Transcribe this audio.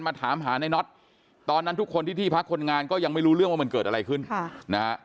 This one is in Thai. มาถามหาในน็อตตอนนั้นทุกคนที่ที่พักคนงานก็ยังไม่รู้เรื่องว่ามันเกิดอะไรขึ้นนะฮะ